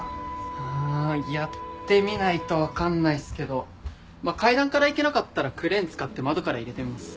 うんやってみないとわかんないっすけどまあ階段から行けなかったらクレーン使って窓から入れてみます。